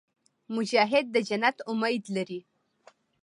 مجاهد د جنت امید لري.